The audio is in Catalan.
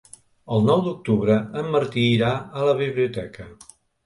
El nou d'octubre en Martí irà a la biblioteca.